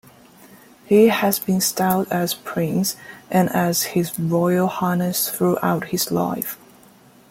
He has been styled as "Prince" and as "His Royal Highness" throughout his life.